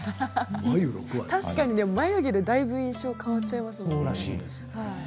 確かに眉毛でだいぶ印象変わっちゃいますものね。